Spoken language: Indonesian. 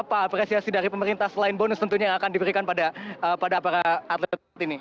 apa apresiasi dari pemerintah selain bonus tentunya yang akan diberikan pada para atlet ini